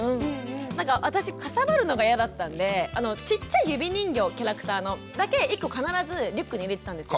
なんか私かさばるのが嫌だったんでちっちゃい指人形キャラクターのだけ１個必ずリュックに入れてたんですよ。